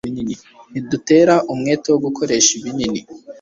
Ntidutera umwete wo gukoresha ibinini